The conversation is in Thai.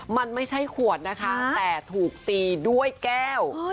มันไม่ใช่ขวดนะคะแต่ถูกตีด้วยแก้ว